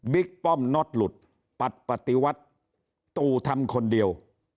ป้อมน็อตหลุดปัดปฏิวัติตู่ทำคนเดียว